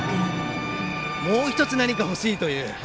もう１つ、何か欲しいという。